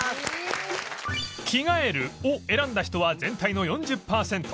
「着替える」を選んだ人は全体の４０パーセント